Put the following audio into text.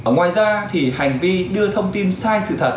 ngoài ra hành vi đưa thông tin sai